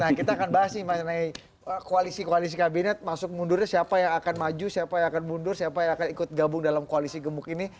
nah kita akan bahas nih mengenai koalisi koalisi kabinet masuk mundurnya siapa yang akan maju siapa yang akan mundur siapa yang akan ikut gabung dalam koalisi gemuk ini